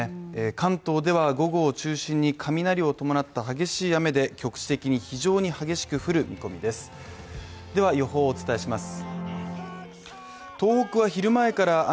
関東では午後を中心に雷を伴った激しい雨で、局地的に非常に激しく降る見込みですでは予報をお伝えします。